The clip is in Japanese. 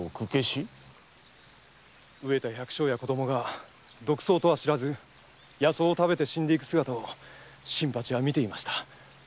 飢えた百姓や子供が毒草と知らず野草を食べて死んでいく姿を新八は見ていました。